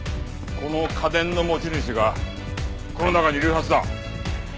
この家電の持ち主がこの中にいるはずだ。